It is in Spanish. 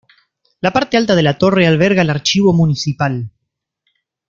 La parte alta de la torre alberga el archivo municipal.